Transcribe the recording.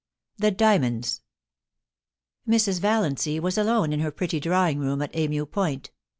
THE DIAMONDS. Mrs. Valiancy was alone in her pretty drawing room at Emu Point.